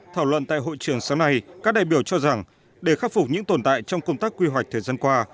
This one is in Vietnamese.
thảo luận tại hội trường sáng nay các đại biểu cho rằng để khắc phục những tồn tại trong công tác quy hoạch thời gian qua